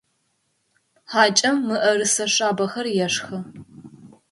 Хьакӏэм мыӏэрысэ шъабэхэр ешхы.